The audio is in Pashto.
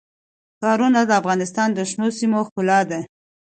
ښارونه د افغانستان د شنو سیمو ښکلا ده.